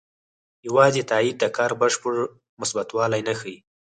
یوازې تایید د کار بشپړ مثبتوالی نه ښيي.